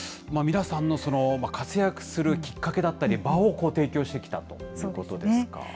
皆さんの活躍するきっかけだったり、場を提供してきたということですか。